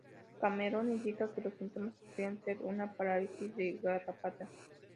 Cameron indica que los síntomas podrían ser una parálisis de garrapata.